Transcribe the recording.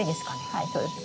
はいそうです。